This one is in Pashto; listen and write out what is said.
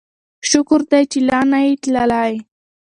شکر دی چې ته لا نه یې تللی.